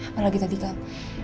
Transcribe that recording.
apalagi tadi kak